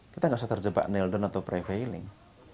kita gak usah terjebak nail down atau prevailing